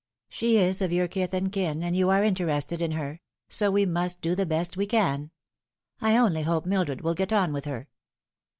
IShe is of your kith and kin, and you are interested in her ; so we must do the best we can. I only hope Mildred will get on with her."